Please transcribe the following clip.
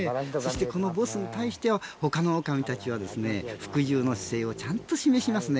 このボスに対しては他のオオカミたちは服従の姿勢をちゃんと示しますね。